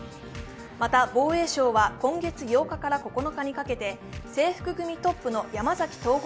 また防衛省は今月８日から９日にかけて制服組トップの山崎統合